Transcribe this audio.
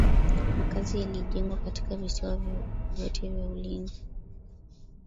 Makazi yalijengwa katika visiwa vyote vya ulinzi